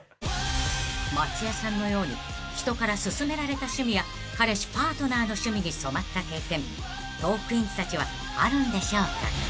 ［松也さんのように人から勧められた趣味や彼氏・パートナーの趣味に染まった経験トークィーンズたちはあるんでしょうか？］